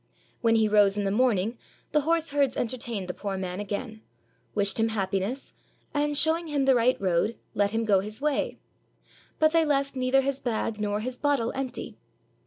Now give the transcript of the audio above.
When he rose in the morning the horseherds entertained the poor man again, wished him happiness, and showing the right road, let him go his way; but they left neither his bag nor his bottle empty.